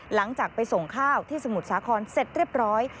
หลังจากไปส่งข้าวที่สมุทรสาครเสร็จเรียบร้อย